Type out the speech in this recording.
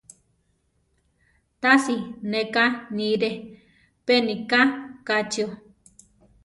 Tasi ne ká niire, pe nika kachío.